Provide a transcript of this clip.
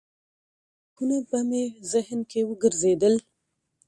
تاریخونه به مې ذهن کې وګرځېدل.